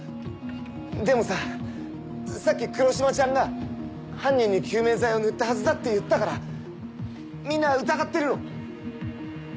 でもささっき黒島ちゃんが犯人に救命剤を塗ったはずだって言ったからみんな疑ってるの。